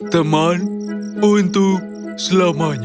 teman untuk selamanya